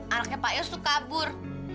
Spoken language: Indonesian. anaknya pak yos itu kabur